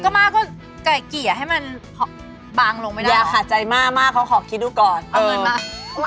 ก็ม่าก็ไก่เกี๋ยวให้มันบางลงไปได้หรออย่าขาดใจม่าม่าเขาขอคิดดูก่อนเออเอาเงินมา